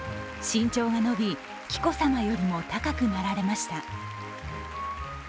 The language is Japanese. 身長が伸び、紀子さまよりも高くなられました。